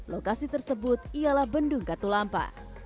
lokasi tersebut ialah bendung katulampa